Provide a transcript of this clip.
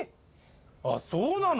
あそうなの。